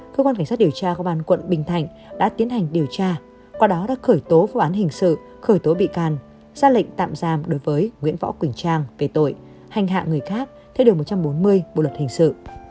cơ quan cảnh sát điều tra công an quận bình thạnh đã tiến hành điều tra qua đó đã khởi tố vụ án hình sự khởi tố bị can ra lệnh tạm giam đối với nguyễn võ quỳnh trang về tội hành hạ người khác theo điều một trăm bốn mươi bộ luật hình sự